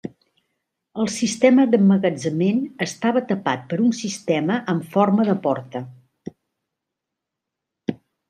El sistema d'emmagatzemament estava tapat per un sistema amb forma de porta.